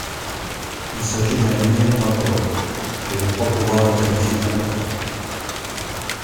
Il s’agit d’un énième rapport – mais je crois pouvoir le qualifier d’important.